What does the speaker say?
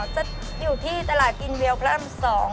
จะอยู่ที่ตลาดกินเวียวพศ๒